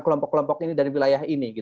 kelompok kelompok ini dari wilayah ini